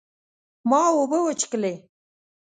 ما اوبه وڅښلې